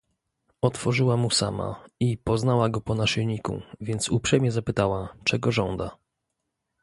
"Otworzyła mu sama i poznała go po naszyjniku, więc uprzejmie zapytała, czego żąda."